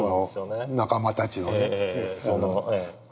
仲間たちのね。